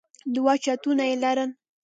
دوه چتونه يې لرل.